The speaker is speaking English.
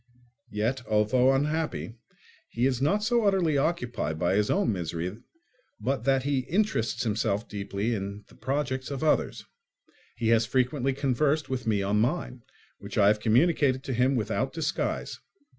Yet, although unhappy, he is not so utterly occupied by his own misery but that he interests himself deeply in the projects of others. He has frequently conversed with me on mine, which I have communicated to him without disguise.